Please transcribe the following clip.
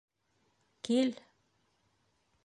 Кил.